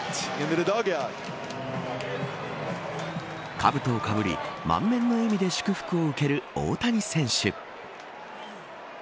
かぶとをかぶり満面の笑みで祝福を受ける大谷選手。